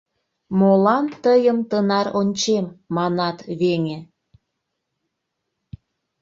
Молан тыйым тынар ончем, манат, веҥе?